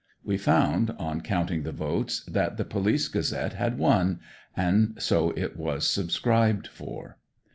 We found, on counting the votes that the Police Gazette had won, so it was subscribed for.